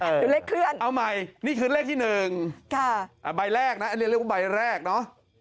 เดี๋ยวเลขเคลื่อนเอาใหม่นี่คือเลขที่หนึ่งใบแรกนะอันนี้เรียกว่าใบแรกเนอะ